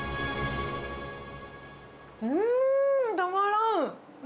うーん、たまらん！